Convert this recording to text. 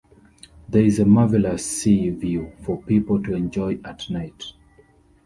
There is a marvellous sea view for people to enjoy at night.